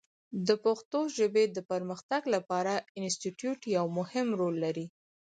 د پښتو ژبې د پرمختګ لپاره انسټیټوت یو مهم رول لري.